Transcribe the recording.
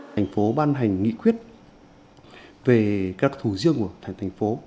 thành phố ban hành nghị quyết về các thủ riêng của thành phố